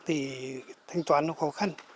thì thanh toán nó khó khăn